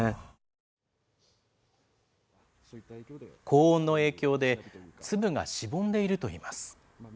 高温の影響で、粒がしぼんでいるといいます。